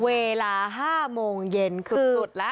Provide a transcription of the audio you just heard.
เวลา๕โมงเย็นสุดแล้ว